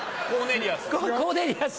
コーネリアス。